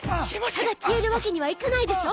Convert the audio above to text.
ただ消えるわけにはいかないでしょ？